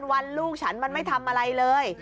วันลูกฉันมันไม่ทำอะไรเลย